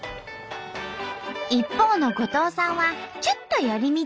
一方の後藤さんはちょっと寄り道。